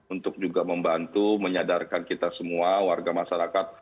untuk juga membantu menyadarkan kita semua warga masyarakat